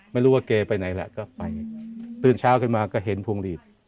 ไม่รู้ว่าแกไปไหนแหละก็ไปตื่นเช้าขึ้นมาก็เห็นพวงหลีด